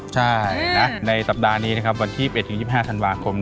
ใช่ในสัปดาห์นี้วันที่๒๑ถึง๒๕ธันวาคม